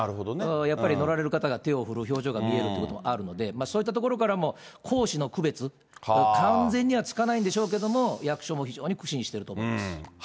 やっぱり乗られる方が手を振る、表情が見えるということもあるので、そういったところからも公私の区別、完全にはつかないんでしょうけれども、役所も非常に苦心していると思います。